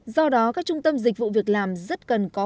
do đó các trung tâm dịch vụ việc làm rất cần có